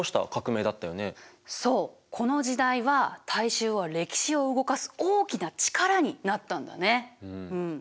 そうこの時代は大衆は歴史を動かす大きな力になったんだね。